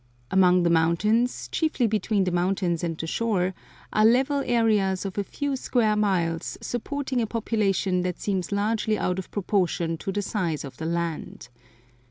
Among the mountains, chiefly between the mountains and the shore, are level areas of a few square miles, supporting a population that seems largely out of proportion to the size of the land.